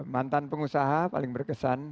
mantan pengusaha paling berkesan